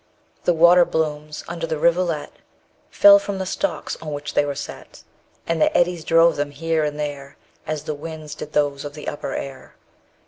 The water blooms under the rivulet Fell from the stalks on which they were set; And the eddies drove them here and there, As the winds did those of the upper air.